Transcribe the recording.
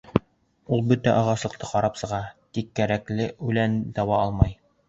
Улар бөтә ағаслыҡты ҡарап сыға, тик кәрәкле үләнде таба алмай.